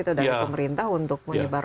itu dari pemerintah untuk menyebar